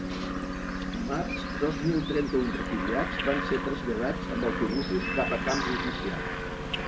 Dimarts, dos mil trenta-un refugiats van ser traslladats amb autobusos cap a camps oficials.